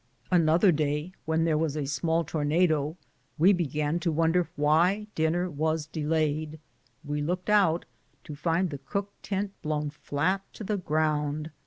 Another day, when there was a small tornado, we began to wonder why dinner was delayed ; we looked out, to find the cook tent blown flat to the ground.